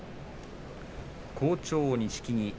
好調錦木。